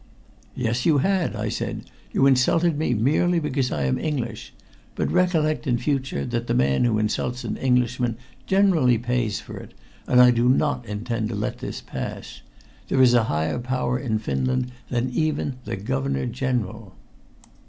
"Yes, you had!" I said. "You insulted me merely because I am English. But recollect in future that the man who insults an Englishman generally pays for it, and I do not intend to let this pass. There is a higher power in Finland than even the Governor General."